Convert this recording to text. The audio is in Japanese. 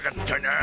あ。